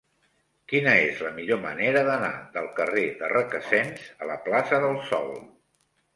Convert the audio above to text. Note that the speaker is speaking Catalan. Quina és la millor manera d'anar del carrer de Requesens a la plaça del Sol?